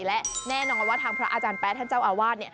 และแน่นอนว่าทางพระอาจารย์แป๊ะท่านเจ้าอาวาส